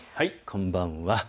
こんばんは。